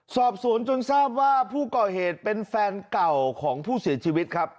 สอบสวนจนทราบว่าผู้ก่อเหตุเป็นแฟนเก่าของผู้เสียชีวิตครับ